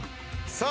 さあ